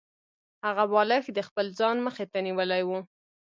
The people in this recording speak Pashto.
هغه بالښت د خپل ځان مخې ته نیولی و